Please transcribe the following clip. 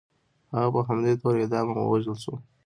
هغه په همدې تور اعدام او ووژل شو.